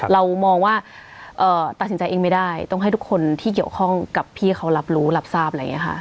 เรามองว่าตัดสินใจเองไม่ได้ต้องให้ทุกคนที่เกี่ยวข้องกับพี่เขารับรู้รับทราบอะไรอย่างนี้ค่ะ